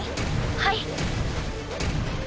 はい。